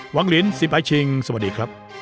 หวังลินสิมปายชิงสวัสดีครับ